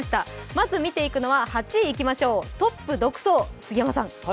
まず見ていくのは、８位いきましょう、トップ独走。